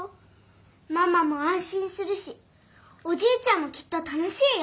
ママもあんしんするしおじいちゃんもきっと楽しいよ。